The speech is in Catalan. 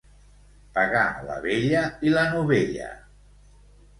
Pagar la vella i la novella.